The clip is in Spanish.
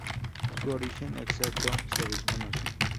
Su origen exacto se desconoce.